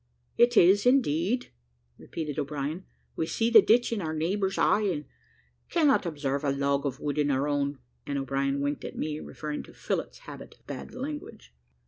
"It is, indeed," repeated O'Brien; "we see the ditch in our neighbour's eye, and cannot observe the log of wood in our own;" and O'Brien winked at me, referring to Phillott's habit of bad language.